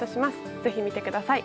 ぜひ見てください。